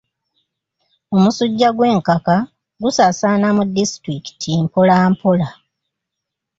Omusujja gw'enkaka gusaasaana mu disitulikiti mpola mpola.